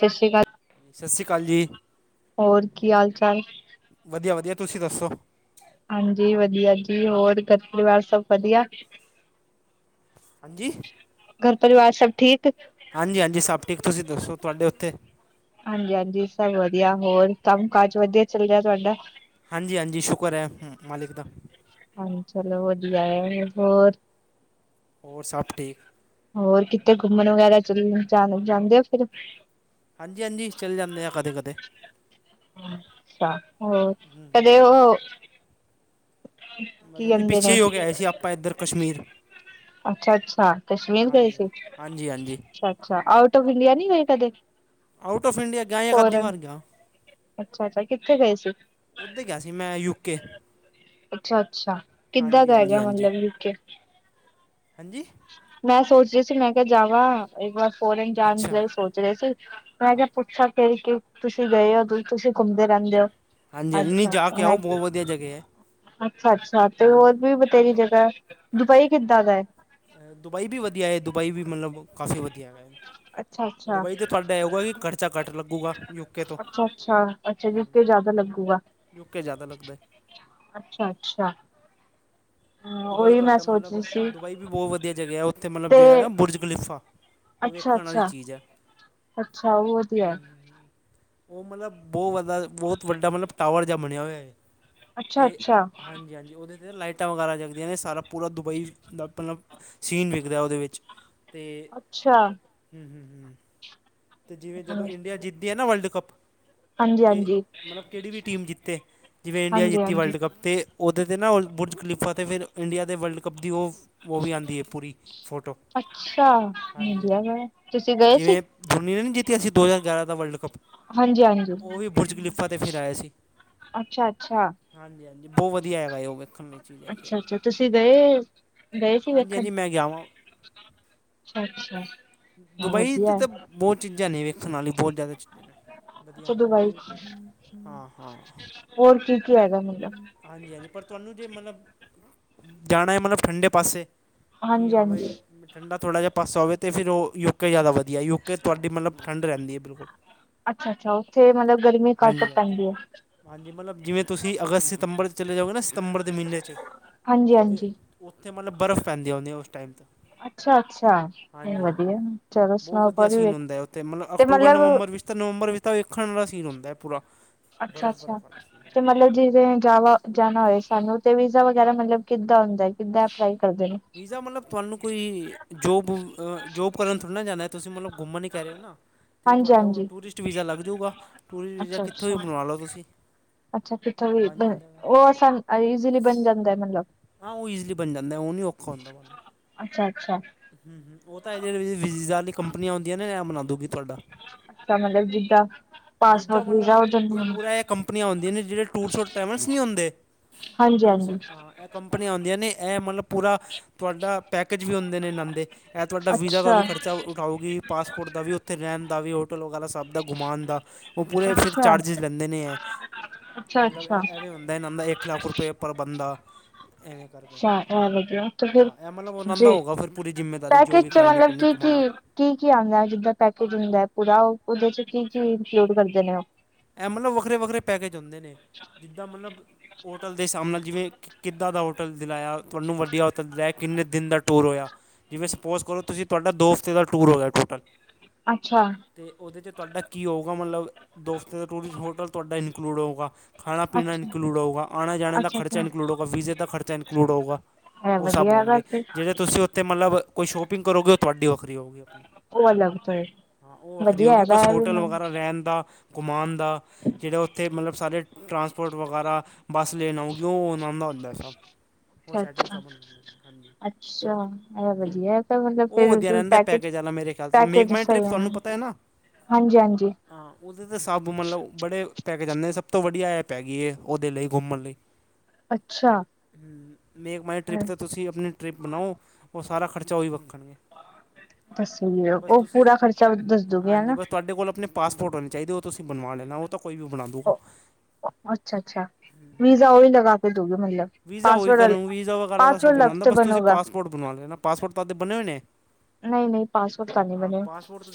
ਸਤਿ ਸ਼੍ਰੀ ਅਕਾਲ। ਸਤਿ ਸ਼੍ਰੀ ਅਕਾਲ ਜੀ। ਹੋਰ, ਕੀ ਹਾਲ ਚਾਲ? ਵਧੀਆ ਵਧੀਆ, ਤੁਸੀਂ ਦੱਸੋ? ਹਾਂਜੀ ਵਧੀਆ ਜੀ, ਹੋਰ ਕੱਰ ਪਰਿਵਾਰ ਸਭ ਵਧੀਆ? ਹਾਂਜੀ? ਘਰ ਪਰਿਵਾਰ ਸਭ ਠੀਕ? ਹਾਂਜੀ ਹਾਂਜੀ, ਸਭ ਠੀਕ, ਤੁਸੀਂ ਦੱਸੋ ਤੁਹਾਡੇ ਉੱਥੇ? ਹਾਂਜੀ ਹਾਂਜੀ, ਸਭ ਵਧੀਆ, ਹੋਰ ਕੰਮ ਕਾਜ ਵਧੀਆ ਚੱਲ ਰਿਹਾ ਤੁਹਾਡਾ? ਹਾਂਜੀ ਹਾਂਜੀ, ਸ਼ੁਕਰ ਹੈ ਮਾਲਿਕ ਦਾ। ਹਾਂ, ਚਲੋ ਵਧੀਆ ਏ, ਹੋਰ? ਹੋਰ, ਸਭ ਠੀਕ। ਹੋਰ, ਕਿਤੇ ਘੁੰਮਣ ਵਗੈਰਾ 'ਚ ਜਾਣ ਜਾਂਦੇ ਹੋ ਫਿਰ? ਹਾਂਜੀ ਹਾਂਜੀ, ਚਲੇ ਜਾਂਦੇ ਹਾਂ ਕਦੇ ਕਦੇ। ਅੱਛਾ, ਕਦੇ ਉਹ ਕੀ ਮ ਜੇ ਕਹਿੰਦੇ ਪਿੱਛੇ ਨੇ ਹੀ ਹੋ ਕੇ ਆਏ ਸੀ, ਆਪਾਂ ਇੱਧਰ ਕਸ਼ਮੀਰ। ਅੱਛਾ ਅੱਛਾ, ਕਸ਼ਮੀਰ ਗਏ ਹਾਂਜੀ ਸੀ। ਹਾਂਜੀ ਹਾਂਜੀ ਅ ਅੱਛਾ, ਆਊਟ ਔਫ ਇੰਡੀਆ ਨੀ ਗਏ ਕਦੇ? ਆਊਟ ਆਫ ਇੰਡੀਆ ਗਿਆ ਜਾਂ ਅੱਧੀ ਫੋਰਨ, ਵਾਰ ਗਿਆ ਅੱਛਾ- ਅੱਛਾ ਕਿੱਥੇ ਗਏ ਸੀ? ਉੱਧਰ ਗਿਆ ਸੀ ਮੈਂ, ਯੂਕੇ। ਅੱਛਾ ਅੱਛਾ, ਕਿੱਦਾਂ ਹਾਂਜੀ ਦਾ ਹਾਂਜੀ ਹੈਗਾ ਹਾਂਜੀ ਮਤਲਬ ਯੂਕੇ? ਹਾਂਜੀ? ਮੈਂ ਸੋਚ ਰਹੀ ਸੀ, ਮੈਂ ਕਿਹਾ ਜਾਵਾਂ, ਇੱਕ ਵਾਰ ਫੋਰਨ ਜਾਣ ਅੱਛਾ ਲਈ ਸੋਚ ਰਹੇ ਸੀ। ਮੈਂ ਹਾਂ। ਕਿਹਾ ਪੁੱਛਾਂ ਫਿਰ ਕੀ, ਤੁਸੀਂ ਗਏ ਹੋ, ਤੁਸੀਂ ਘੁੰਮਦੇ ਰਹਿੰਦੇ ਹੋ। ਹਾਂਜੀ ਹਾਂਜੀ ਨਹੀਂ ਅੱਛਾ ਜਾ ਕੇ ਮੈਂ, ਆਓ ਬਹੁਤ ਵਧੀਆ ਜਗ੍ਹਾ ਹੈ ਅੱਛਾ -ਅੱਛਾ, ਤੇ ਹੋਰ ਹੂੰ, ਵੀ ਬਥੇਰੀ ਜਗ੍ਹਾ। ਦੁਬਈ ਕਿੱਦਾਂ ਦਾ ਹੈ? ਦੁਬਈ ਵੀ ਵਧੀਆ ਹੈ, ਦੁਬਈ ਵੀ ਮਤਲਬ ਕਾਫੀ ਵਧੀਆ ਹੈ। ਅੱਛਾ ਅੱਛਾ ਦੁਬਈ ਤੇ ਤੁਹਾਡਾ ਇਹ ਹੋਊਗਾ, ਕਿ ਖਰਚਾ ਘੱਟ ਲੱਗੂਗਾ ਯੂਕੇ ਤੋਂ। ਅੱਛਾ ਅੱਛਾ ਅੱਛਾ, ਯੂ ਕੇ ਜ਼ਿਆਦਾ ਲੱਗੂਗਾ। ਯੂ ਕੇ ਜ਼ਿਆਦਾ ਲੱਗਦਾ। ਅੱਛਾ, ਅੱਛਾ। ਹਾਂ, ਦੁਬਈ ਉਹੀ ਮੈਂ ਤੁਹਾਡਾ ਸੋਚ ਮਤਲਬ, ਰਹੀ ਸੀ ਦੁਬਈ ਵੀ ਬਹੁਤ ਵਧੀਆ ਜਗ੍ਹਾ ਹੈ। ਉੱਥੇ ਮਤਲਬ ਜੋ ਤੇ ਹੈ, ਬੁਰਜ ਖਲੀਫਾ ਉਹ ਅੱਛਾ ਵੇਖਣ ਵਾਲੀ ਅੱਛਾ ਚੀਜ਼ ਆ। ਅੱਛਾ, ਉਹ ਵਧੀਆ ਐ। ਉਹ ਮਤਲਬ ਬਹੁਤ ਵਦਾ, ਬਹੁਤ ਵੱਡਾ ਮਤਲਬ ਟਾਵਰ ਜਿਹਾ ਬਣਿਆ ਹੋਇਆ ਹੈ। ਅੱਛਾ, ਅਤੇ ਅੱਛਾ। ਹਾਂਜੀ ਹਾਂਜੀ, ਉਹਦੇ ਤੇ ਲਾਈਟਾਂ ਵਗੈਰਾ ਜਗਦੀਆਂ ਨੇ, ਸਾਰਾ ਪੂਰਾ ਦੁਬਈ ਦਾ ਮਤਲਬ, ਸੀਨ ਵਿਖਦਾ ਉਹਦੇ ਵਿੱਚ ਤੇ, ਅੱਛਾ ਹੂ ਹੂ। [unintelligible] ਤੇ ਜਿਵੇਂ ਜਦੋਂ, ਇੰਡੀਆ ਹਾਂਜੀ ਜਿੱਤਦੀ ਹੈ ਨਾ ਵਰਲਡ ਕੱਪ ਤੇ ਹਾਂਜੀ ਮਤਲਬ ਕਿਹੜੀ ਵੀ ਟੀਮ ਜਿੱਤੇ, ਜਿਵੇਂ ਇੰਡੀਆ ਹਾਂਜੀ ਜਿੱਤੀ ਹਾਂਜੀ ਵਰਲਡ ਕੱਪ, ਤੇ ਉਹਦੇ ਤੇ ਨਾ ਬੁਰਜ ਖਲੀਫਾ ਤੇ ਫਿਰ ਇੰਡੀਆ ਦੇ ਵਰਲਡ ਕੱਪ ਦੀ ਉ ਉਹ ਵੀ ਆਉਂਦੀ ਹੈ ਪੂਰੀ ਫੋਟੋ, ਅੱਛਾ ਹਾਂਜੀ- ਵਧੀਆ ਹਾਂਜੀ ਵਾ ਤੁਸੀਂ ਗਏ ਸੀ? ਜਿਵੇਂ ਜੂਨੀਅਨ ਨੀ ਜਿੱਤਿਆ ਸੀ ਦੋ ਹਜ਼ਾਰ ਗਿਆਰਾਂ ਦਾ ਵਰਲਡ ਕੱਪ। ਹਾਂਜੀ ਹਾਂਜੀ। ਉ ਵੀ ਬੁਰਜਖਲੀਫਾ ਤੇ ਫਿਰ ਆਇਆ ਸੀ। ਅੱਛਾ ਅੱਛਾ। ਹਾਂਜੀ-ਹਾਂਜੀ, ਬਹੁਤ ਵਧੀਆ ਹੈਗਾ ਏ ਉ ਵੇਖਣ ਲਈ। ਚੀਜ ਹੈਗੀ ਏ, ਅੱਛਾ ਅੱਛਾ ਤੁਸੀਂ ਗਏ ਗਏ ਸੀ ਹਾਂਜੀ-ਹਾਂਜੀ ਮੈਂ ਗਿਆ ਵਾਂ। ਅੱਛਾ-ਅੱਛਾ, ਦੁਬਈ ਤੇ ਵਧੀਆ। ਤਾਂ ਬਹੁਤ ਚੀਜ਼ਾਂ ਨੇ ਵੇਖਣ ਵਲੀਆਂ, ਬਹੁਤ ਜ਼ਿਆਦਾ ਚੀਜ਼ਾਂ ਨੇ, ਵਧੀਆ ਦੁਬਈ, ਹਾਂ-ਹਾਂ। ਹੋਰ ਕੀ-ਕੀ ਹੈਗਾ, ਮਤਲਬ? ਹਾਂਜੀ-ਹਾਂਜੀ, ਪਰ ਤੁਹਾਨੂੰ ਜੇ ਮਤਲਬ ਜਾਣਾ ਹੈ, ਮਤਲਬ ਠੰਢੇ ਪਾਸੇ? ਕਿ ਹਾਂਜੀ ਹਾਂ ਬਾਈ, ਹਾਂਜੀ। ਠੰਢਾ ਥੋੜ੍ਹਾ ਜਿਹਾ ਪਾਸਾ ਹੋਵੇ, ਤੇ ਫਿਰ ਉ ਯੂਕੇ ਜ਼ਿਆਦਾ ਵਧੀਆ, ਯੂਕੇ ਤੁਹਾਡੀ ਮਤਲਬ ਠੰਡ ਰਹਿੰਦੀ ਹੈ ਬਿਲਕੁਲ! ਅੱਛਾ-ਅੱਛਾ, ਉੱਥੇ ਮਤਲਬ ਗਰਮੀ ਘੱਟ ਹਾਂਜੀ ਹਾਂਜੀ ਪੈਂਦੀ ਹੈ। ਹਾਂਜੀ, ਮਤਲਬ ਜਿਵੇਂ ਤੁਸੀਂ ਅਗਸਤ ਜਾਂ ਸਤੰਬਰ ਵਿੱਚ ਚਲੇ ਜਾਓਗੇ, ਸਤੰਬਰ ਦੇ ਮਹੀਨੇ ਵਿੱਚ, ਹਾਂਜੀ ਤੇ ਹਾਂਜੀ। ਉੱਥੇ ਮਤਲਬ ਬਰਫ਼ ਪੈਂਦੀਆ ਉਸ ਟਾਈਮ ਤੇ। ਅੱਛਾ-ਅੱਛਾ, ਹਾਂਜੀ ਹਾਂਜੀ ਵਧੀਆ ਚਲੋ ਬਹੁਤ ਸੁਣਾਓ ਵਧੀਆ ਸੀਨ ਹੁੰਦਾ ਉੱਥੇ ਮਤਲਬ ਅਕਤੂਬਰ-ਨਵੰਬਰ ਵਿੱਚ, ਨਵੰਬਰ ਵਿੱਚ ਤਾਂ ਵੇਖਣ ਵਾਲਾ ਸੀਨ ਹੁੰਦਾ ਪੂਰਾ। ਬਰਫ਼ ਅੱਛਾ-ਅੱਛਾ, ਬਰਫ਼ ਵਾਲਾ ਸੀਨ ਤੇ ਹਾਂਜੀ ਮਤਲਬ ਜਿਵੇਂ ਜਾਵਾਂ ਜਾਣਾ ਹੋਵੇ ਸਾਨੂੰ, ਤਾਂ ਵੀਜ਼ਾ ਵਗੈਰਾ ਕਿੱਦਾਂ ਹੁੰਦਾ ਹੈ? ਮਤਲਬ ਵੀਜ਼ੇ ਲਈ ਕਿੱਦਾਂ ਅਪਲਾਈ ਕਰਦੇ ਨੇ? ਜਾ ਮਤਲਬ ਤੁਹਾਨੂੰ ਕੋਈ ਜੋਬ ਜੋਬ ਕਰਨ ਥੋੜ੍ਹੀ ਨਾ ਜਾਂਨਾ, ਤੁਸੀਂ ਮਤਲਬ ਘੁੰਮਣ ਹੀਕਹਿ ਰਹੇ ਹੋਨਾ। ਤੇ ਹਾਂਜੀ ਤੁਹਾਡਾ ਉ ਹਾਂਜੀ। ਟੂਰਿਸਟ ਵੀਜ਼ਾ ਲੱਗ ਜਾਉਗਾ, ਟੂਰਿਸਟ ਵੀਜ਼ਾ ਕਿਥੋਂ ਹੀ ਅੱਛਾ-ਅੱਛਾ। ਅੱਛਾ ਬਨਵਾ ਲਓ ਤੁਸੀਂ। ਅੱਛਾ, ਕਿੱਥੋਂ ਵੀ ਬਣ ਜਾਂਦਾ ਵਾ ਉਹ ਅਸਲ ਈਜ਼ੀਲੀ ਬਣ ਜਾਂਦਾ ਹੈ, ਮਤਲਬ? ਹਾ ਉ ਈਜ਼ੀਲੀ ਬਣ ਜਾਂਦਾ ਹੈ, ਉਹ ਨੀ ਔਖਾ ਹੁੰਦਾ ਬਣ ਅੱਛਾ-ਅੱਛਾ। ਹੂੰ-ਹੂੰ ਉ ਤਾਂ ਏ ਵੀਜ਼ਾ ਵਾਲੀ ਕੰਪਨੀਆ ਹੁੰਦੀਆਂ ਨੇ, ਉਹ ਬੜਾ ਦੋਗੀ ਤੁਹਾਡਾ। ਇਸ ਦਾ ਮਤਲਬ ਜਿਦਾ ਦੂਜਾ ਪਾਸਪੋਰਟ ਮਤਲਬ ਵੀਜ਼ਾ ਹੋ ਜਾਵੇ। ਇਹ ਪੂਰਾ ਇਹ ਕੰਪਨੀਆਂ ਉਂਨਦੀਆਂ ਨੇ ਜਿਹੜੇ ਟੂਰਸਡ ਟਰੈਵਲਸ ਨਹੀਂ ਹੁੰਦੇ। ਟੂਰਸ ਹਾਂਜੀ-ਹਾਂਜੀ। ਆ ਏ ਕੰਪਨੀਆਂ ਉਂਦੀਆਂ ਨੇ, ਮਤਲਬ ਉਹਨਾਂ ਕੋਲ ਤੁਹਾਡਾ ਪੂਰਾ ਪੈਕੇਜ ਵੀ ਹੁੰਦੇ ਇਨ੍ਹਾਂ ਦੇ। ਏ ਤੁਹਾਡਾ ਵੀਜ਼ੇ ਦਾ ਵੀ ਅੱਛਾ-ਅੱਛਾ। ਖਰਚਾ ਉ ਉਠਾਓਗੀ ਪਾਸਪੋਰਟ ਦਾ ਵੀ, ਉੱਥੇ ਰਹਿਣ ਦਾ ਵੀ, ਹੋਟਲ ਵਗੈਰਾ ਸਬ ਦਾ ਘੁੰਮਾਣ ਦਾ ਉਹ ਪੂਰੇ ਫਿਰ ਅੱਛਾ-ਅੱਛਾ। ਚਾਰਜਿਸ ਲੈਂਦੇ ਨੇ ਏ ਅੱਛਾ ਮਤਲਬ ਅੱਛਾ ਐਵੇਂ ਹੁੰ ਦੇਣ ਆਂਦਾ ਇੱਕ ਲੱਖ ਰੁਪਏ ਪ੍ਰਰ ਬੰਦਾ ਏਵੇ। ਕਰਕੇ ਅੱਛਾ ਇਹ ਵਧੀਆ ਤੇ ਫਿਰ ਹਾਂ, ਇਹ ਮਤਲਬ ਫਿਰ ਉਹਨਾਂ ਜੀ ਦੀ ਹੀ ਪੂਰੀ ਜ਼ਿੰਮੇਵਾਰੀ ਹੋਵੇਗੀ ਜੋ ਪੈਕੇਜ ਵੀ ਚ ਮਤਲਬ ਕਰਨੀ-ਕੁਰਨੀ ਕੀ-ਕੀ ਘੁਮਾਣਾ। ਕੀ-ਕੀ ਆਉਂਦਾ ਜਿੱਦਾਂ ਪੈਕੇਜ ਹੁੰਦਾ ਐ ਪੂਰਾ, ਉ ਉਹਦੇ ਚ' ਕੀ-ਕੀ ਇਨਕਲੂਡ ਕਰਦੇ ਨੇਂ ਉ? ਇਹ ਮਤਲਬ ਵੱਖਰੇ-ਵੱਖਰੇ ਪੈਕੇਜ ਹੁੰਦੇ ਨੇ, ਜਿਵੇਂ ਮਤਲਬ ਹੋਟਲ ਦੇ ਹਿਸਾਬ ਨਾਲ। ਕਿੱਦਾਂ ਦਾ ਹੋਟਲ ਦਿਲਾਇਆ, ਤੁਹਾਨੂੰ ਵਧੀਆ ਹੋਟਲ ਦਿਵਾਇਆ, ਕਿੰਨੇ ਦਿਨਾਂ ਦਾ ਟੂਰ ਹੋਇਆ? ਜਿਵੇਂ ਸਪੋਜ਼ ਕਰੋ, ਤੁਸੀ ਤੁਹਾਡਾ ਦੋ ਹਫ਼ਤਿਆਂ ਦਾ ਟੂਰ ਹੋ ਗਿਆ ਟੋਟਲ। ਅੱਛਾ। ਤੇ ਉਹਦੇ ਵਿੱਚ ਤੁਹਾਡਾ ਕੀ ਹੋਊਗਾ ਮਤਲਬ ਦੋ ਹਫਤੇ ਦਾ ਟੂਰਿਸਟ ਹੋਟਲ ਤੁਹਾਡਾ ਇਨਕਲੂਡ ਹੋਊਗਾ। ਖਾਣਾ-ਪੀਣਾ ਅੱਛਾ, ਇਨਕਲੂਡ ਹੋਉਗਾ, ਆਣੇ-ਜਾਣੇ ਦਾ ਖਰਚਾ ਵੀ ਅੱਛਾ-ਅੱਛਾ ਇਨਕਲੂਡ ਹੋਉਗਾ, ਵੀਜ਼ੇ ਦਾ ਖਰਚਾ ਇਨਕਲੂਡ ਹੋਉਗਾ। ਇਹ ਉਹ ਸਭ ਵਧੀਆ ਹੈਗਾ ਹੋਣਗੇ ਫਿਰ ਜੇ ਤੁਸੀਂ ਉੱਥੇ ਮਤਲਬ ਕੋਈ ਸ਼ਾਪਿੰਗ ਕਰੋਗੇ, ਉ ਤੁਹਾਡੀ ਵਖਰੀ ਹੋਗੀ ਆਪਣੀ। ਉਹ ਅਲਗ ਤੇ ਹਾਂ, ਉ ਵੱਖਰੀ ਹੋਗੀ ਬਸ ਹੋਟਲ ਵਗੈਰਾ ਰਹਿਣ ਦਾ ਘੁੰਮਾਣ ਦਾ ਜੇਹੜੇ ਉੱਥੇ ਮਤਲਬ ਸਾਰੇ ਟਰਾਂਸਪੋਰਟ ਵਗੈਰਾ ਬੱਸ ਲੈਣ ਆਊਗੀ ਉਹ ਉਨਾਂ ਦਾ ਹੋਂਦਾ ਸਬ। ਅੱਛਾ, ਅੱਛਾ, ਐ ਵਧੀਆ ਐ ਤਾਂ ਮਤਲਬ ਉਹ ਵਧੀਆ ਫੇਰ ਰਹਿੰਦਾ ਪੈਕੇਜ਼ ਪੈਕੇਜ ਵਾਲਾ ਮੇਰੇ ਖਿਆਲ ਤੋਂ ਮੇਕ ਪੈਕੇਜ ਮਾਈ ਸਈ ਟ੍ਰਿਪ ਐ [unintelligible] ਤੁਹਾਨੂੰ ਪਤਾ ਹੈ ਨਾ ਹਾਂਜੀ, ਹਾਂਜੀ। ਹਾਂ [unintelligible] ਤੇ ਤੇ ਸਭ ਮਤਲਬ ਬੜੇ ਪੈਕੇਜ਼ ਆਂਦੇ ਸਭ ਤੋਂ ਵਦੀਆ ਐਪ ਹੈਗੀ ਓਦੇ ਲਈ ਘੁੰਮਣ ਲਈ। ਅੱਛਾ ਹੂੰ, ਮੇਕ ਮਾਈ ਟ੍ਰਿਪ ਤੇ ਤੁਸੀਂ ਆਪਣੀ ਟ੍ਰਿਪ ਬਨਾਓ, ਓ ਸਾਰਾ ਖਰਚਾ ਓਈ ਵਖਨਗੇ। ਦੱਸੋਗੇ ਬਸ ਉਹ ਤੁਸੀ, ਪੂਰਾ ਖਰਚਾ ਦੱਸ ਦੋਗੇ ਹਾਂਜੀ ਹਨਾ ਬਸ ਤੁਆਡੇ ਕੋਲ ਅਪਣੇ ਪਾਸਪੋਰਟ ਹੋਨੇ ਚਾਈਦੇ ਓ ਤੁਸੀਂ ਬਨਵਾ ਲੈਨਾ, ਓ ਤਾਂ ਕੋਈ ਵੀ ਬਣਾ ਦੁਗਾ। ਅੱਛਾ-ਅੱਛਾ, ਵੀਜ਼ਾ ਓਈ ਲਗਾ ਕੇ ਦਊਗਾ ਮਤਲਬ। ਵੀਜ਼ਾ ਓਈ ਪਾਸਵਰਡ ਕਰੂੰ, ਵੀਜ਼ਾ ਵਗੈਰਾ ਤਾਂ ਪਾਸਵਰਡ ਸਭ ਅਲੱਗ ਓਨਾਂ ਦਾ, ਤੇ ਬਸ ਤੁਸੀਂ ਬਣੂਗਾ ਪਾਸਪੋਰਟ ਬਨਵਾ ਲੈਨਾ ਪਾਸਪੋਰਟ [unintelligible] ਬਨੇ ਹੋਏ ਨੇ। ਨਈ ਨਈ ਪਾਸਪੋਰਟ ਤਾਂ ਨੀ ਬਨੇ।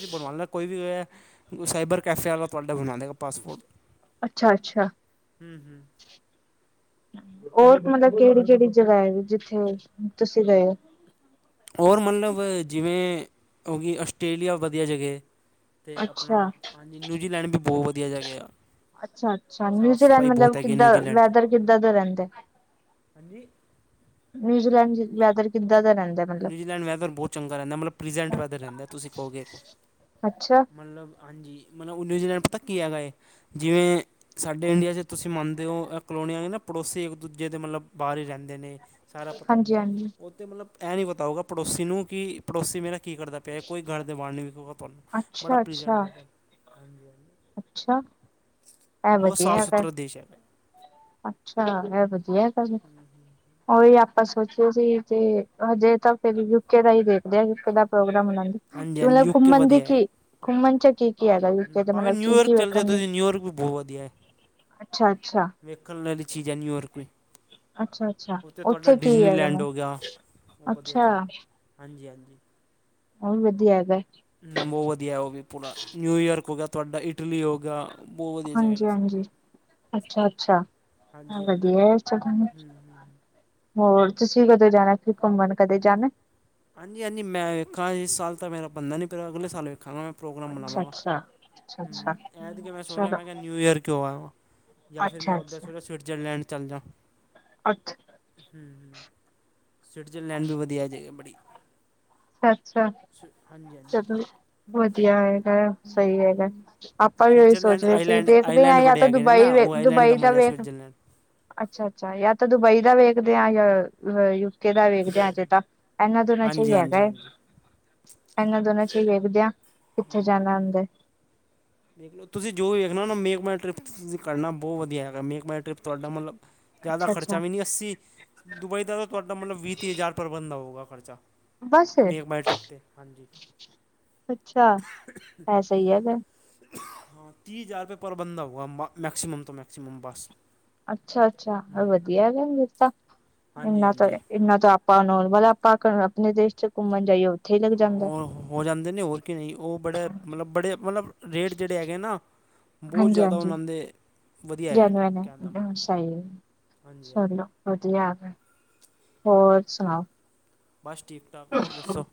[unintelligible] ਬਨਵਾ ਲੈਨਾ, ਕੋਈ ਵੀ ਐ ਸਾਈਬਰ ਕੈਫੇ ਆਲਾ ਤੁਆਡਾ ਬਨਾ ਦੇਗਾ ਪਾਸਪੋਰਟ। ਅੱਛਾ-ਅੱਛਾ। ਹੂੰ-ਹੂੰ। ਔਰ ਮਤਲਬ ਕੇੜੀ-ਕੇੜੀ ਜਗ੍ਹਾ ਹੈਗੀ ਜਿੱਥੇ ਤੁਸੀਂ ਗਏ ਓ? ਔਰ ਮਤਲਬ ਜਿਵੇਂ ਹੋ ਗੀ ਆਸਟ੍ਰੇਲੀਆ ਵਦੀਆ ਜਗ੍ਹੇ। ਤੇ ਆਪਣਾ ਅੱਛਾ ਹਾਂਜੀ ਨਿਊਜ਼ੀਲੈਂਡ ਵੀ ਬੋਅ ਵਦੀਆ ਜਗੇ ਆ। ਅੱਛਾ-ਅੱਛਾ, ਸਾਫ ਨਿਊਜ਼ੀਲੈਂਡ ਸਫਾਈ ਮਤਲਬ ਬਹੁਤ ਹੈਗੀ ਕਿੱਦਾਂ ਨਿਊਜ਼ੀਲੈਂਡ 'ਚ ਵੈਦਰ ਕਿੱਦਾਂ ਦਾ ਰੈਂਦੈ? ਹਾਂਜੀ। ਨਿਊਜ਼ੀਲੈਂਡ ਵੈਦਰ ਕਿੱਦਾਂ ਦਾ ਰੈਂਦੈ? ਨਿਊਜ਼ੀਲੈਂਡ ਵੈਦਰ ਬੋਤ ਚੰਗਾ ਰੈਂਦਾ ਮਤਲਬ ਪੀਜੈਂਟ ਵੈਦਰ ਰੈਂਦਾ ਤੁਸੀਂ ਕਹੋਗੇ ਅੱਛਾ ਮਤਲਬ ਹਾਂਜੀ, ਮਤਲਬ ਨਿਊਜ਼ੀਲੈਂਡ ਪਤਾ ਕੀ ਹੈਗਾ ਏ ਜਿਵੇਂ ਸਾਡੇ ਇੰਡੀਆ 'ਚ ਤੁਸੀਂ ਮੰਨਦੇ ਓ ਕਲੋਨੀਆਂ ਨੇ ਨਾ ਪੜੋਸੀ ਇੱਕ ਦੂਜੇ ਦੇ ਮਤਲਬ ਬਾਰ ਈ ਰੈਂਦੇ ਨੇ। ਸਾਰਾ ਪਤਾ ਹਾਂਜੀ ਹੁੰਦਾ, ਹਾਂਜੀ ਓਥੇ ਮਤਲਬ ਐ ਨੀ ਪਤਾ ਹੋਊਗਾ ਪੜੋਸੀ ਨੂੰ ਕਿ ਪੜੋਸੀ ਮੇਰੇ ਕੀ ਕਰਦਾ ਪਿਆ ਕੋਈ ਘਰ ਦੇ ਬਾਰ ਨੀ ਵਿਖੇਗਾ ਤੁਆਨੁ, ਬੜਾ ਅੱਛਾ ਪੀਜੈਂਟ ਅੱਛਾ [unintelligible] ਅੱਛਾ ਇਹ ਬੋਤ ਵਧੀਆ ਸਾਫ਼ ਹੈਗਾ ਸੁਥਰਾ ਦੇਸ਼ ਐ। ਅੱਛਾ, ਐ ਵਦੀਆ ਗੱਲ ਏ ਓਈ ਆਪ ਪਾਂ ਸੋਚ ਰੇ ਸੀ ਤੇ ਹਜੇ ਤਾਂ ਫੇਰ ਯੂਕੇ ਦਾ ਹੀ ਦੇਖਦੇ ਆਂ, ਯੂਕੇ ਦਾ ਪ੍ਰੋਗਰਾਮ ਬਨਾਨੇ ਹਾਂਜੀ ਹਾਂਜੀ ਮਤਲਬ ਯੂਕੇ ਘੁੰਮਨ ਦੀ ਵਧੀਆ ਹੈ ਕੀ, ਘੁੰਮਣ 'ਚ ਕੀ ਕੀ ਹੈਗਾ ਯੂਕੇ ਤੇ ਭਾਵੇਂ ਮਤਲਬ ਕੀ ਨਿਊਯਾਰਕ ਕੀ ਚੱਲ ਜਾਓ ਵੇਖਣ ਨੂੰ, ਤੁਸੀਂ ਨਿਊਯਾਰਕ ਵੀ ਅੱਛਾ-ਅੱਛਾ। ਵੇਖਨ ਵਾਲੀ ਚੀਜ਼ ਐ ਨਿਊਯੌਰਕ ਵੀ। ਅੱਛਾ ਅੱਛਾ ਓਥੇ ਤੁਆਡਾ ਉੱਥੇ ਕੀ ਹੈਗਾ ਡਿਜ਼ਨੀਲੈਂਡ ਮੈਮ ਹੋ ਗਯਾ [unintelligible] ਅੱਛਾ ਹਾਂਜੀ ਹਾਂਜੀ। ਹੋਰ ਵਧੀਆ ਹੈਗਾ। ਹੂੰ ਬੋਤ ਵਦੀਆ ਓ ਵੀ ਪੂਰਾ, ਨਿਊਯੋਕ ਹੋ ਗਯਾ ਤੁਆਡਾ ਇਟਲੀ ਹੋ ਗਯਾ। ਬੋਤ ਵਦੀਆ ਜਗ੍ਹਾਂ ਨੇ ਸਭ। ਅੱਛਾ-ਅੱਛਾ ਐ ਤਾਂ ਹਾਂਜੀ ਹਾਂਜੀ ਵਦੀਆ ਹੂੰ [unintelligible] ਹੂੰ ਹੋਰ ਤੁਸੀਂ ਕਦੋਂ ਜਾਨਾ ਫਿਰ ਘੁੰਮਨ ਕਦੇ ਜਾਨਾ ਐ? ਹਾਂਜੀ-ਹਾਂਜੀ ਮੈਂ ਵੇਖਾਂਗਾ ਇਸ ਸਾਲ ਤਾਂ ਮੇਰਾ ਬਨਦਾ ਨੀ ਪੇਆ ਅਗਲੇ ਸਾਲ ਵੇਖਾਂਗਾ, ਮੈਂ ਪ੍ਰੋਗਰਾਮ ਅੱਛਾ ਬਨਾਵਾਂਗਾ। ਅੱਛਾ ਅੱਛਾ ਅੱਛਾ ਹੂੰ, ਐਤਕੀਂ ਮੈਂ ਸੋਚ ਰੇਆ ਚਲੋ ਮੈਂ ਕੇਆ ਨਿਊਯੌਰਕ ਈ ਹੋ ਆਵਾਂ ਯਾ ਫਿਰ ਅੱਛਾ ਮੈਂ ਉਧਰ ਅੱਛਾ ਸੋਚ ਰਯਾ ਸਵਿਟਜ਼ਰਲੈਂਡ ਚੱਲ ਜਾ। ਅੱਛਾ। ਹਾਂ, ਸਵਿਟਜ਼ਰਲੈਂਡ ਵੀ ਵਦੀਆ ਜਗ੍ਹਾ ਬੜੀ। ਅੱਛਾ, ਸ- ਹਾਂਜੀ ਹਾਂਜੀ ਚਲੋ ਵਧੀਆ ਹੈਗਾ ਸਈ ਐ। ਹੈਗਾ, ਆਪਾਂ ਵੀ ਓਈ ਸਵਿਟਜ਼ਰਲੈਂਡ ਸੋਚ ਰੇ ਸੀ, ਆਈਲੈਂਡ ਦੇਖਦੇ ਆ ਆਈਲੈਂਡ ਯਾ ਬੜੇ ਤਾਂ ਹੈਗੇ ਨੇ ਦੁਬਈ ਨਾ ਉਹ ਵੇਖ, ਆਈਲੈਂਡ ਦੁਬਈ ਦਾ ਮਜ਼ਾ ਵੇਖ ਸਵਿਟਜ਼ਰਲੈਂਡ ਅੱਛਾ-ਅੱਛਾ, ਯਾ ਤਾਂ ਦੁਬਈ ਦਾ ਵੇਖਦੇ ਆ ਯਾ [unintelligible] ਕਿਹੜਾ ਵੇਖਦਿਆਂ ਹਜੇ ਤਾਂ, ਏਹਨਾ ਦੋਨਾਂ ਚ ‌ਈ ਹਾਂਜੀ ਐ। ਹਾਂਜੀ ਹਾਂਜੀ ਏਹਨਾਂ ਦੋਨਾਂ ਚ ਹੀ ਵੇਖਦੇ ਆ, ਕਿੱਥੇ ਹਾਂ ਜਾਣਾ ਓਨਦੇ? ਤੁਸੀਂ ਜੋ ਵੀ ਵੇਖਣਾ ਨਾ ਮੇਕਮਾਈ ਟ੍ਰਿਪ ਤੁਸੀਂ ਕਰਨਾ ਬਹੁ ਵਧੀਆ ਹੈਗਾ, ਮੇਕਮਾਈ ਟ੍ਰਿਪ ਤੁਹਾਡਾ ਮਲਬ ਜ਼ਾਦਾ ਅੱਛਾ ਖਰਚਾ ਅੱਛਾ ਵੀ ਨੀ ਅੱਸੀ, ਦੁਬਈ ਦਾ ਤਾਂ ਤੁਹਾਡਾ ਮਤਲਬ ਵੀਹ-ਤੀਹ ਹਜ਼ਾਰ ਪਰ ਬੰਦਾ ਹੋਓਗਾ ਖਰਚਾ। ਬਸ ਮੇਕਮਾਈ ਟ੍ਰਿਪ ਤੇ, ਹਾਂਜੀ। ਅੱਛਾ, ਐਹ ਸਹੀ ਐ ਫੇਰ। ਤੀਸ ਹਜ਼ਾਰ ਰੁਪਏ ਪਰ ਬੰਦਾ ਹੋਓਗਾ, ਮੈ ਮੈਕਸੀਮਮ ਤੋ ਮੈਕਸੀਮਮ ਬਸ। ਅੱਛਾ-ਅੱਛਾ, ਹੂੰ, ਵਧੀਆ ਹੈਗਾ ਫੇਰ ਤਾਂ ਹਾਂਜੀ ਐਨਾ ਤਾਂ ਹਾਂਜੀ ਐਨਾ ਤਾਂ। ਆਪਾਂ ਨੌਰਮਲ ਆਪਾਂ ਅ ਆਪਣੇ ਦੇਸ਼ ਚ ਘੁੰਮਣ ਜਾਈਏ ਓਥੇ ਈ ਲੱਗ ਹਾਂ, ਜਾਂਦਾ। ਉਹ ਹੋ ਜਾਂਦੇ ਨੇ ਹੋਰ ਕੀ ਨ‌ਈ, ਓ ਬੜੇ ਮਲਬ ਬੜੇ ਮਲਬ ਰੇਟ ਜਿਹੜੇ ਹੈਗੇ ਨਾ, ਬਹੁ ਹਾਂਜੀ ਜ਼ਆਦਾ ਹਾਂਜੀ ਓਨਾਂ ਦੇ ਵਧੀਆ ਹੈਗੇ ਜੈਨੂਅਨ ਕਹਿਣ ਦਾ ਨੇ, ਮਤਲਬ। ਸਹੀ ਏ, ਹਾਂਜੀ ਹਾਂਜੀ ਚਲੋ ਵਧੀਆ, ਹੋਰ ਸੁਣਾਓ? ਬਸ ਠੀਕ-ਠਾਕ, ਹੋਰ ਦੱਸੋ?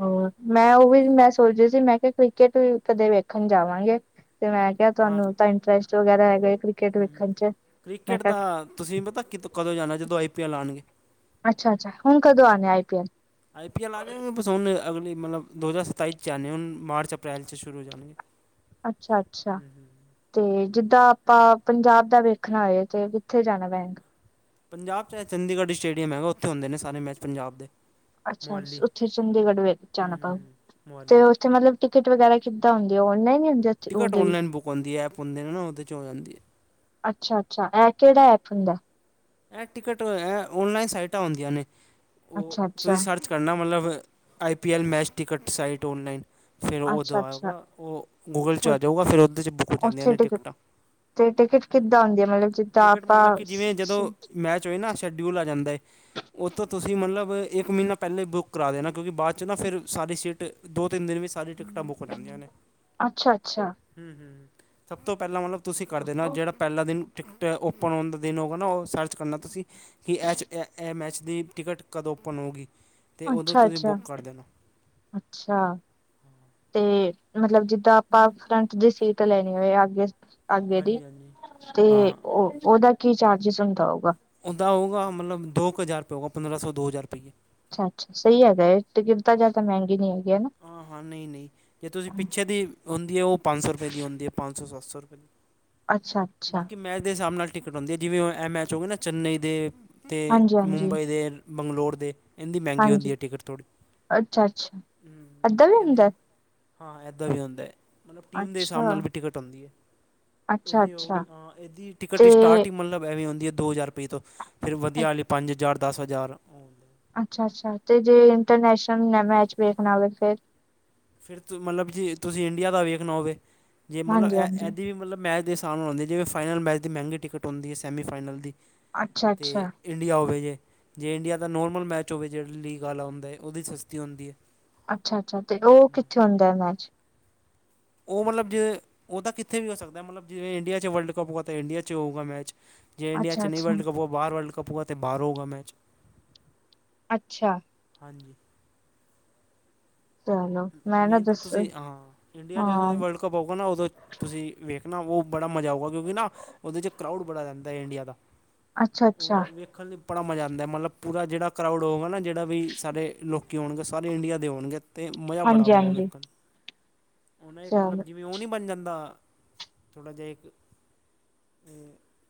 ਹੋਰ, ਮੈਂ ਓਹੀ ਮੈਂ ਸੋਚਦੀ ਸੀ ਮੈਂ ਕਿਹਾ ਕ੍ਰਿਕਟ ਵੀ ਕਦੇ ਵੇਖਣ ਜਾਵਾਂਗੇ ਤੇ ਮੈਂ ਹਾਂ ਤੁਹਾਨੂੰ ਤਾਂ ਇੰਟਰਸਟ ਵਗੈਰਾ ਹੈਗਾ ਕ੍ਰਿਕਟ ਵੇਖਣ ਚ, ਮੈਂ ਕਾ ਹਾਂ, ਤੁਸੀਂ ਪਤਾ ਕਿ ਕਦੋਂ ਜਾਣਾ, ਜਦੋ ਆਈ ਪੀ ਐਲ ਆਣਗੇ। ਅੱਛਾ-ਅੱਛਾ, ਹੁਣ ਕਦੋਂ ਆਣਾ I P L? I P L ਆ ਜਾਏਗੇ ਬਸ ਹੁਣੇ, ਅਗਲੀ ਮਲਬ ਦੋ ਹਜ਼ਾਰ ਸਤਾਈ ਚ ਆਣੇ ਹੁਣ ਮਾਰਚ-ਅਪ੍ਰੈਲ ਸ਼ੁਰੂ ਹੋ ਜਾਣਗੇ। ਅੱਛਾ-ਅੱਛਾ। ਤੇ ਜਿੱਦਾਂ ਆਪਾਂ ਪੰਜਾਬ ਦਾ ਵੇਖਣਾ ਹੋਏ ਤੇ ਕਿੱਥੇ ਜਾਣਾ ਪੈ ਪੰਜਾਬ ਚ ਐ ਚੰਡੀਗੜ੍ਹ ਸਟੇਡੀਅਮ ਐ ਓਥੇ ਹੁੰਦੇ ਨੇ ਸਾਰੇ ਮੈਚ ਪੰਜਾਬ ਦੇ। ਅੱਛਾ ਮੋਹਾਲੀ ਓਥੇ ਚੰਡੀਗੜ੍ਹ ਵੇ ਹੂੰ ਜਾਣਾ ਪ‌ਓ ਹੂੰ ਤੇ ਮੋਹਾਲੀ ਓਥੇ ਮਤਲ ਟਿਕਟ ਵਗੈਰਾ ਕਿੱਦਾਂ ਹੁੰਦੀ ਐ ਔਨਲਾਈਨ ‌ਈ ਹੁੰਦੀ? ਟਿਕਟ ਉਹਦੇ ਵੀ ਔਨਲਾਈਨ ਬੁੱਕ ਹੁੰਦੀ ਐ ਐਪ ਹੁੰਦੇ ਨੇ ਨਾ ਓਦੇ ਚ ਹੋ ਜਾਂਦੀ ਐ। ਅੱਛਾ-ਅੱਛਾ, ਐ ਕਿਹੜਾ ਐਪ ਹੁੰਦਾ? ਐਹ ਟਿਕਟ ਐ ਔਨਲਾਈਨ ਸਾਈਟਾਂ ਹੁੰਦੀਆਂ ਨੇ, ਓ ਅੱਛਾ ਅੱਛਾ ਤੁਸੀਂ ਸਰਚ ਕਰਨਾ ਮਲਬ I P L match ticket site online. ਫੇਰ ਅੱਛਾ ਓਦੋਂ ਆਊਗਾ ਅੱਛਾ ਓ ਗੋ ਗੂਗਲ ਚ ਆ ਜਾਊਗਾ, ਫੇਰ ਓਦੇ ਚ ਬੁੱਕ ਹੋ ਜਾਂਦੀਆਂ ਉੱਥੇ ਨੇ ਟਿਕਟ ਟਿਕਟਾਂ। ਤੇ ਟਿਕਟ ਕਿਦਾਂ ਹੁੰਦੀ ਐ ਮਤਲਬ ਜਿਦਾਂ ਟਿਕਟ ਆਪਾਂ ਮਤਲਬ ਕਿ ਜਿਵੇਂ ਜਦੋਂ ਮੈਚ ਹੋਏ ਨਾ ਸ਼ਡਿਊਲ ਆ ਜਾਂਦਾ ਏ। ਓ ਤੋਂ ਤੁਸੀਂ ਮਤਲਬ ਇੱਕ ਮਹੀਨਾ ਪਹਿਲੇ ਬੁੱਕ ਕਰਾ ਦੇਣਾ ਕਿਉਂਕਿ ਬਾਅ ਚ ਨਾ ਫੇਰ ਸਾਰੀ ਸੀਟ ਦੋ-ਤਿੰਨ ਦਿਨ ਵਿਚ ਸਾਰੀ ਟਿਕਟਾਂ ਬੁੱ ਕੀ ਹੋ ਜਾਂਦੀਆਂ ਨੇ, ਅੱਛਾ ਅੱਛਾ ਹੂੰ ਹੂੰ ਸਭ ਤੋਂ ਪਹਿਲਾਂ ਮਲਬ ਤੁਸੀਂ ਕਰਦੇ ਨਾ ਜੇਹੜਾ ਪਹਿਲਾ ਦਿਨ ਟਿਕਟ ਓਪਨ ਹੋਣ ਦਾ ਦਿਨ ਹੋਓਗਾ ਨਾ ਓ ਸਰਚ ਕਰਨਾ ਤੁਸੀਂ। ਕਿ ਐਚ ਐਹ ਐਹ ਐਮ ਐੱਚ ਦੀ ਟਿਕਟ ਕਦੋਂ ਓਪਨ ਹੋਓਗੀ? ਅੱਛਾ-ਅੱਛਾ, ਅੱਛਾ ਤੇ ਮਤਲਬ ਜਿ ਦਾਂ ਆਪਾਂ ਫਰੰਟ ਦੀ ਸੀਟ ਲੈਣੀ ਹੋਏ ਆਗੇ। ਆਗੇ ਦੀ ਹਾਂਜੀ ਹਾਂਜੀ ਤੇ ਹਾਂ ਓ ਓਦਾ ਕੀ ਚਾਰਜਿਸ ਹੁੰਦਾ ਹੋਓਗਾ? ਓਦਾ ਹ‌ਓਗਾ ਮਲਬ ਦੋ ਕ ਹਜ਼ਾਰ ਰੁਪਏ ਹੋਓਗਾ, ਪੰਦਰਾਂ ਸੌ-ਦੋ ਹਜ਼ਾਰ ਰੁਪਈਏ। ਅੱਛਾ-ਅੱਛਾ ਸਹੀ ਹੈਗਾ ਏ, ਟਿਕਟ ਤਾਂ ਹਾਂ ਜ਼ਿਆਦਾ ਮਹਿੰਗੀ ਨੀ ਹੈਗੀ, ਹਾਂ ਹਾਂ ਨਹੀਂ ਨਹੀਂ ਜੇ ਤੁਸੀਂ ਹਨਾ? ਪਿੱਛੇ ਦੀ ਹੁੰਦੀ ਐ ਓ ਪੰਜ ਸੌ ਰੁਪਏ ਦੀ ਹੁੰਦੀ ਐ ਪੰਜ ਸੌ ਸੱਤ ਸੌ ਰੁਪਏ ਦੀ, ਅੱਛਾ ਅੱਛਾ ਬਾਕੀ ਮੈਚ ਦੇ ਸਾਬ ਨਾਲ ਟਿਕਟ ਹੁੰਦੀ ਏ ਜਿਵੇਂ ਐਹ ਮੈਚ ਹੋ ਗਏ ਨਾ ਚੰਨਈ ਦੇ ਤੇ ਹਾਂਜੀ ਹਾਂਜੀ ਮੁੰਬਈ ਦੇ ਬੰਗਲੋਰ ਦੇ ਏਦੀ ਮਹਿੰਗੀ ਹਾਂਜੀ ਹੁੰਦੀ ਟਿਕਟ ਥੋੜੀ। ਅੱਛਾ ਅੱਛਾ ਅੱਧਰ ਇਹਦੀ ਰਹਿੰਦਾ ਹੈ ਹਾਂ ਇੱਦਾਂ ਵੀ ਹੁੰਦਾ ਹੈ ਮਤਲਬ ਟੀਮ ਦੇ ਹਿਸਾਬ ਅੱਛਾ ਨਾਲ ਵੀ ਟਿਕਟ ਆਉਂਦੀ ਹੈ ਅੱਛਾ ਇਹਦੀ ਹੋ ਗਈ ਅੱਛਾ ਹਾਂ ਇਹਦੀ ਟਿਕਟ ਤੇ ਹੀ ਸਟਾਰਟਿੰਗ ਮਤਲਬ ਐਵੇਂ ਆਦੀ ਹੈ ਦੋ ਹਜ਼ਾਰ ਪੀ ਤੋਂ ਫਿਰ ਵਧੀਆ ਵਾਲੀ ਪੰਜ ਹਜ਼ਾਰ ਦਸ ਹਜ਼ਾਰ ਅੱਛਾ ਅੱਛਾ ਤੇ ਜੇ ਇੰਟਰਨੈਸ਼ਨਲ ਮੈਚ ਵੇਖਣਾ ਹੋਵੇ ਫਿਰ ਫਿਰ ਤ ਮਤਲਬ ਜੀ ਤੁਸੀਂ ਇੰਡੀਆ ਦਾ ਵੇਖਣਾ ਹੋਵੇ ਜੇ ਮਤਲਬ ਹਾਂਜੀ ਐ ਹਾਂਜੀ ਇੱਦਾਂ ਵੀ ਮਤਲਬ ਮੈਚ ਦੇ ਆਸਾਨ ਹੋਦੀ ਜਿਵੇਂ ਫਾਈਨਲ ਮੈਚ ਦੀ ਮਹਿੰਗੀ ਟਿਕਟ ਆਦੀ ਹੈ ਸੈਮੀ ਫਾਈਨਲ ਦੀ ਤੇ ਅੱਛਾ-ਅੱਛਾ, ਇੰਡੀਆ ਹੋਵੇ ਜੇ ਜੇ ਇੰਡੀਆ ਦਾ ਨੋਰਮਲ ਮੈਚ ਹੋਵੇ ਜਿਹੜਾ ਲੀਗ ਵਾਲਾ ਹੁੰਦਾ ਉਹਦੀ ਸਸਤੀ ਹੁੰਦੀ ਹੈ ਅੱਛਾ ਅੱਛਾ ਤੇ ਉਹ ਕਿੱਥੇ ਹੁੰਦਾ ਹੈ ਮੈਚ ਉਹ ਮਤਲਬ ਜੇ, ਉਹਦਾ ਕਿੱਥੇ ਵੀ ਹੋ ਸਕਦਾ ਮਤਲਬ ਜਿਵੇਂ ਇੰਡੀਆ ਚ ਵਰਲਡ ਕੱਪ ਹੋਗਾ ਤਾਂ ਇੰਡੀਆ 'ਚ ਹੋਊਗਾ ਮੈਚ। ਜੇ ਇੰਡੀਆ ਚ ਨਹੀਂ ਅੱਛਾ-ਅੱਛਾ, ਵਰਲਡ ਕਪ ਹੋਵੇ ਬਾਹਰ ਵਰਲਡ ਕਪ ਹੋਗਾ ਤਾਂ ਬਾਹਰੋਂ ਹੋਵੇਗਾ ਮੈਚ ਅੱਛਾ ਹਾਂਜੀ ਚਲੋ ਮੈਂ ਨਾ ਮੇਨ ਤਾਂ ਦੱਸ ਤੁਸੀਂ ਹਾਂ ਇੰਡੀਆ ਚ ਹਾਂ ਵਰਲਡ ਗਾ ਨਾਦੋਂ ਤੁਸੀਂ ਵੇਖਣਾ ਉਹ ਬੜਾ ਮਜ਼ਾ ਆਊਗਾ ਕਿਉਂਕਿ ਨਾ ਉਹਦੇ ਚ ਕਰਾਉਡ ਬੜਾ ਰਹਿ ਇੰਡੀਆ ਦਾ ਅੱਛਾ-ਅੱਛਾ, ਉਹਨਾਂ ਵ ਹਾਂਜੀ ਬੜਾ ਮਜ਼ਾ ਆਂਦਾ ਮਤਲਬ, ਪੂਰਾ ਜਿਹੜਾ ਕਰਾਊਡ ਹੋਊਗਾ ਨਾਂ, ਜਿਹੜਾ ਵੀ ਸਾਾਰੇ ਲੋਕ ਆਉਣਗੇ ਸਾਰੇ ਇੰਡੀਆ ਦੇ ਹੋਣਗੇ ਤੇ ਮਜਾ ਬੜਾ ਆਊਗਾ ਹਾਂਜੀ-ਹਾਂਜੀ ਵੇਖਣ ਓਹਨੇ ਚਲੋ ਜਿਵੇਂ ਇਉਂ ਨਹੀਂ ਬਣ ਜਾਂਦਾ ਥੋੜ੍ਹਾ ਜਿਹਾ ਇੱਕ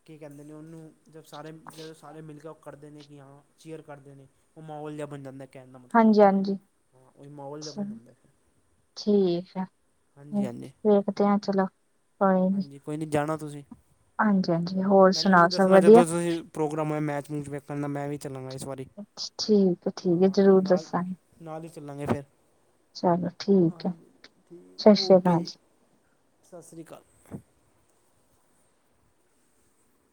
ਕੀ ਕਹਿੰਦੇ ਨੇ ਉਹਨੂੰ ਜਦ ਸਾਰੇ ਜਦ ਸਾਰੇ ਮਿਲ ਕੇ ਉਹ ਕਰਦੇ ਨੇ ਕਿ ਹਾਂ ਚੇਅਰ ਕਰਦੇ ਨੇ ਉਹ ਮਾਹੌਲ ਜਿਹਾ ਬਣ ਜਾਂਦਾ ਕਹਿਣ ਦਾ ਮਤਲਬ ਹਾਂਜੀ-ਹਾਂਜੀ ਹਾਂ ਉਹ ਮਹੋਲ ਜਹਾ ਬਣ ਜਾਂਦੇ ਠੀਕ ਆ ਵੇਖਦੇ ਆ ਚਲੋ ਕੋਈ ਨੀ ਹਾਂਜੀ ਕੋਈ ਨਹੀਂ ਜਾਣਾ ਤੁਸੀਂ ਹਾਂਜੀ-ਹਾਂਜੀ ਹੋਰ ਮੈਨੂੰ ਵੀ ਸੁਣਾਓ ਸਭ ਦੱਸਣਾ ਵਧੀਆ? ਜਦੋਂ ਤੁਸੀਂ। ਪ੍ਰੋਗਰਾਮ ਹੋਇਆ ਮੈਚ ਮੂਚ ਵੇਖਣ ਦਾ ਮੈਂ ਵੀ ਚੱਲਾਂਗਾ ਇਸ ਵਾਰੀ। ਠੀਕ-ਠੀਕ ਹੈ ਹਾਂ ਜਰੂਰ ਨਾਲ ਦੱਸਾਂਗੇ ਨਾਲ ਹੀ ਚੱਲਾਂਗੇ ਫੇਰ ਚਲੋ ਠੀਕ ਹੈ ਸਤਿ ਠੀਕ ਸ੍ਰੀ ਓਕੇ ਅਕਾਲ ਜੀ। ਸਤਿ ਸ਼੍ਰੀ ਅਕਾਲ।